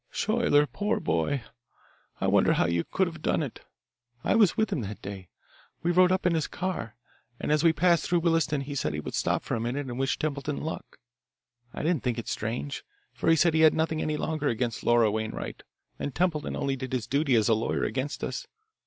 "Schuyler, poor boy, I wonder how you could have done it. I was with him that day. We rode up in his car, and as we passed through Williston he said he would stop a minute and wish Templeton luck. I didn't think it strange, for he said he had nothing any longer against Laura Wainwright, and Templeton only did his duty as a lawyer against us.